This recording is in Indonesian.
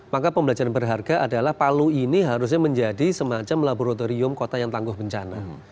maka pembelajaran berharga adalah palu ini harusnya menjadi semacam laboratorium kota yang tangguh bencana